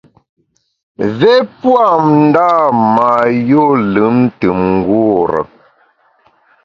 Mvé pua ndâ mâ yû lùmntùm ngure.